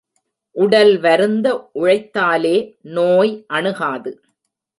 உடல் வருந்த உழைத்தாலே, நோய், அணுகாது.